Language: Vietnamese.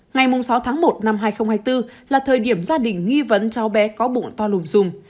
ngày sáu tháng một năm hai nghìn hai mươi bốn là thời điểm gia đình nghi vấn cháu bé có bụng to lùn rùm